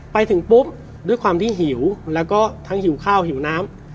ไปถึงปุ๊บด้วยความที่หิวแล้วก็ทั้งหิวข้าวหิวน้ำ